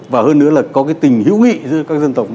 và hơn nữa là có cái tình hữu nghị giữa các dân tộc